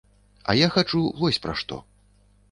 А я хачу вось пра што.